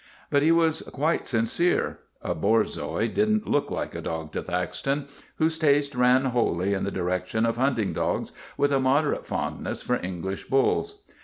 But he was quite sincere. A Borzoi did n't look like a dog to Thaxton, whose taste ran wholly in the direction of hunting dogs, with a moderate fond ness for English bulls.